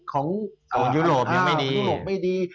โรงยุโรปยังไม่ดี